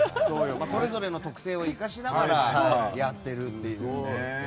それぞれの特性を生かしながらやっているというね。